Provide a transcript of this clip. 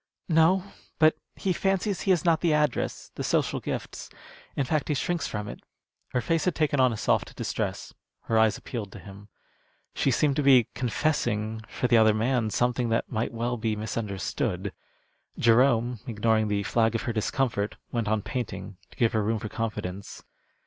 "No; but he fancies he has not the address, the social gifts in fact, he shrinks from it." Her face had taken on a soft distress; her eyes appealed to him. She seemed to be confessing, for the other man, something that might well be misunderstood. Jerome, ignoring the flag of her discomfort, went on painting, to give her room for confidence.